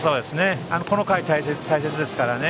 この回、大切ですからね